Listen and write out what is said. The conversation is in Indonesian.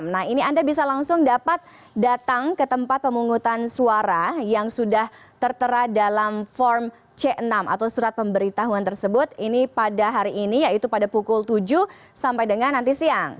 nah ini anda bisa langsung dapat datang ke tempat pemungutan suara yang sudah tertera dalam form c enam atau surat pemberitahuan tersebut ini pada hari ini yaitu pada pukul tujuh sampai dengan nanti siang